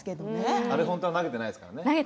あれは本当は投げてないですからね。